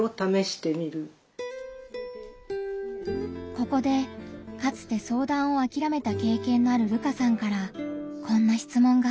ここでかつて相談をあきらめた経験のある瑠花さんからこんな質問が。